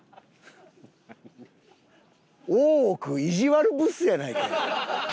大奥意地悪ブスやないかい。